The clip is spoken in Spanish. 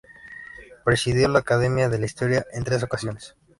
Presidió la Academia de la Historia en tres ocasiones.